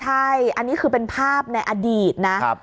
ใช่อันนี้คือเป็นภาพในอดีตนะ